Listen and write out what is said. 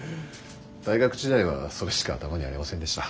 大学時代はそれしか頭にありませんでした。